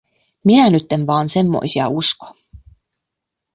Minä nyt en vaan semmoisia usko.